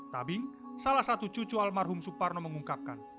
tabing salah satu cucu almarhum suparno mengungkapkan